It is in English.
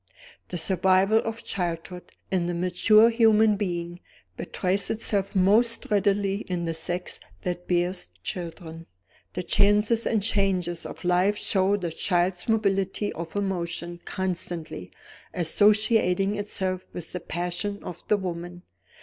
The survival of childhood, in the mature human being, betrays itself most readily in the sex that bears children. The chances and changes of life show the child's mobility of emotion constantly associating itself with the passions of the woman.